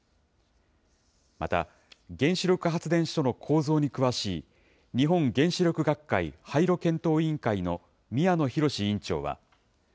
また、原子力発電所の構造に詳しい、日本原子力学会廃炉検討委員会の宮野廣委員長は。